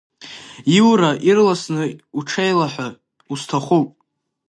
Иура, ирласны уҽеилаҳәа, усҭахуп!